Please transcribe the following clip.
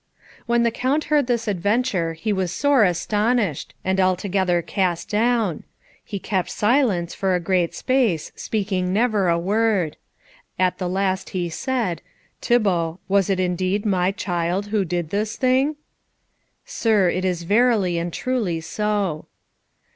When the Count heard this adventure he was sore astonied, and altogether cast down. He kept silence for a great space, speaking never a word. At the last he said, "Thibault, was it indeed my child who did this thing?" "Sir, it is verily and truly so."